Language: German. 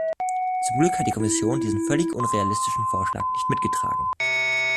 Zum Glück hat die Kommission diesen völlig unrealistischen Vorschlag nicht mitgetragen.